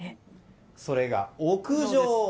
それが、屋上。